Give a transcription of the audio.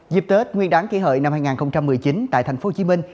dịp tết nguyên đáng kỳ hợi năm hai nghìn một mươi chín tại thành phố hồ chí minh